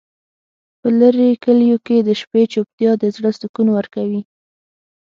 په لرې کلیو کې د شپې چوپتیا د زړه سکون ورکوي.